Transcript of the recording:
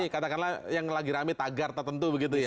katakanlah yang lagi rame tagar tertentu begitu ya